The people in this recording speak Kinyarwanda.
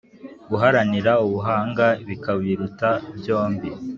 guharanira ubuhanga bikabiruta byombi.